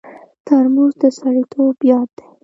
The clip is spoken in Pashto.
ترموز د سړیتوب یاد دی.